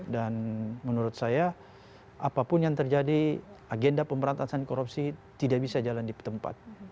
dan menurut saya apapun yang terjadi agenda pemberantasan korupsi tidak bisa jalan di tempat